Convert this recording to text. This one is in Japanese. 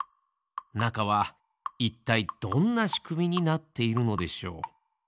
なかはいったいどんなしくみになっているのでしょう？